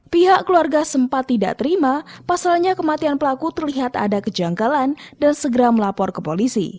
pihak keluarga sempat tidak terima pasalnya kematian pelaku terlihat ada kejanggalan dan segera melapor ke polisi